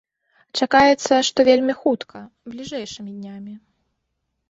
Чакаецца, што вельмі хутка, бліжэйшымі днямі.